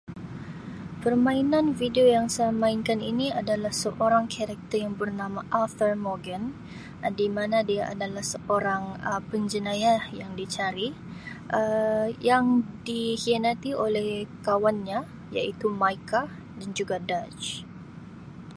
"Permainan video yang saya mainkan ini adalah seorang ""character"" yang bernama ""Arthur Morgan"" di mana dia adalah seorang Um penjenayah yang dicari Um yang dikhianati oleh kawannya iaitu ""Mayka"" dan juga ""Dutch"""